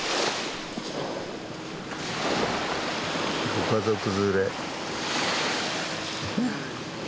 ご家族連れ。